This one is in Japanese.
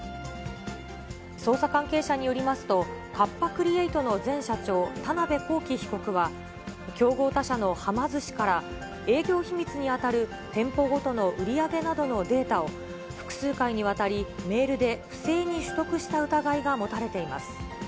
捜査関係者によりますと、カッパ・クリエイトの前社長、田辺公己被告は、競合他社のはま寿司から、営業秘密に当たる店舗ごとの売り上げなどのデータを、複数回にわたり、メールで不正に取得した疑いが持たれています。